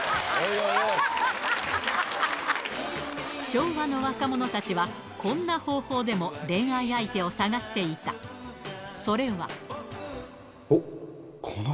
昭和の若者たちはこんな方法でも恋愛相手を探していたそれはおっ